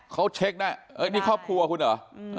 เขาเช็คได้นี่ครอบครัวคุณเหรอ